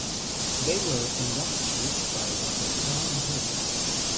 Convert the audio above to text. They were enraptured by what they saw and heard.